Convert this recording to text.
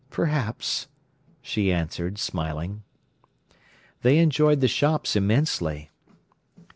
"Perhaps," she answered, smiling. They enjoyed the shops immensely.